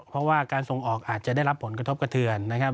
เพราะว่าการส่งออกอาจจะได้รับผลกระทบกระเทือนนะครับ